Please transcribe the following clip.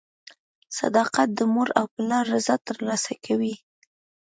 • صداقت د مور او پلار رضا ترلاسه کوي.